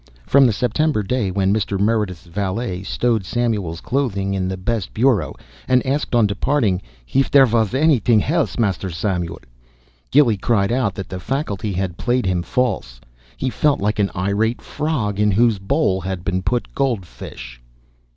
From the September day when Mr. Meredith's valet stowed Samuel's clothing in the best bureau and asked, on departing, "hif there was hanything helse, Master Samuel?" Gilly cried out that the faculty had played him false. He felt like an irate frog in whose bowl has been put goldfish.